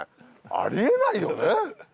あり得ないよね？